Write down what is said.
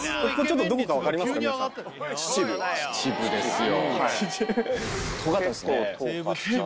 秩父ですよ。